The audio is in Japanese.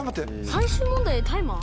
最終問題でタイマー？